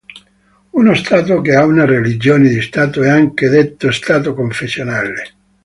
Uno stato che ha una religione di stato è anche detto stato confessionale.